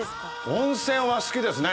温泉は好きですね。